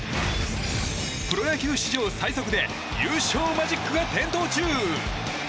プロ野球史上最速で優勝マジックが点灯中。